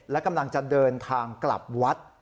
และกำลังจะเดินทางกลับวัด